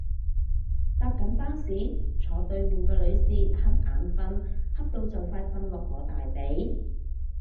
搭緊巴士，坐對面個女士恰眼瞓恰到就快瞓落我大髀